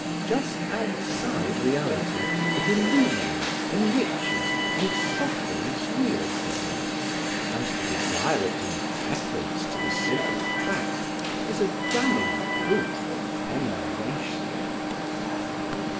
Just outside reality, it illumines, enriches and softens real things; and to desire it in preference to the simple fact is a damning proof of enervation.